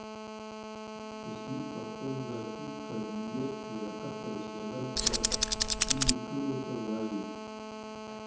تصنیف په خپل ذاتي قابلیت، لیاقت او استعداد سره؛ ليکلو ته وايي.